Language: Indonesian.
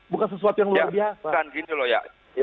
bukan sesuatu yang luar biasa